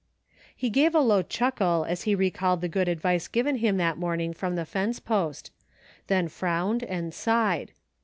He gave a low chuckle as he recalled the good advice given him that morning from the fence post, then frowned and sighed.